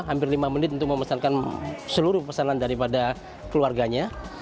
hampir lima menit untuk memesankan seluruh pesanan daripada keluarganya